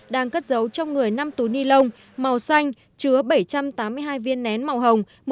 đang cất giấu trong người năm túi ni lông màu xanh chứa bảy trăm tám mươi hai viên nén màu hồng